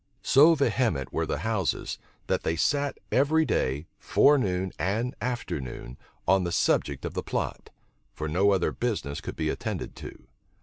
So vehement were the houses, that they sat every day, forenoon and afternoon, on the subject of the plot: for no other business could be attended to.